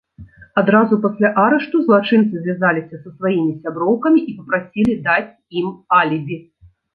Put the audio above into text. Адразу пасля арышту злачынцы звязаліся са сваімі сяброўкамі і папрасілі даць ім алібі.